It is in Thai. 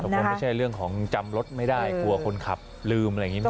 มันไม่ใช่เรื่องของจำรถไม่ได้กลัวคนขับลืมอะไรอย่างนี้ไหม